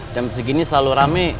jam segini selalu rame